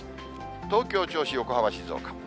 東京、銚子、横浜、静岡。